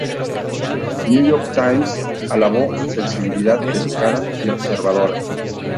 New York Times alabó su "sensibilidad delicada y observadora".